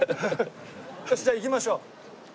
よしじゃあ行きましょう。